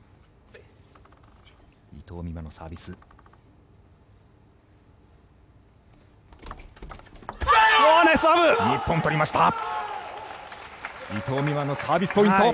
伊藤美誠のサービスポイント。